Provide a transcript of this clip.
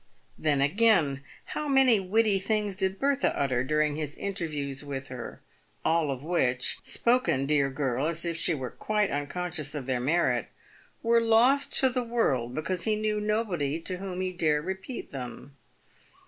Then, again, how many witty things did Bertha utter during his interviews with her, all of which — spoken, dear girl, as if she were quite un conscious of their merit — were lost to the world, because he knew nobody to whom he dare repeat them.